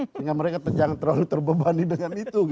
sehingga mereka jangan terlalu terbebani dengan itu